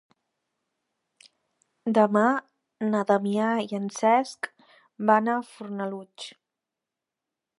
Demà na Damià i en Cesc van a Fornalutx.